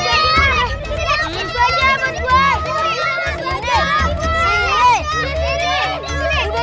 sini gua aja buat gua